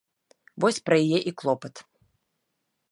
Вось пра яе і клопат.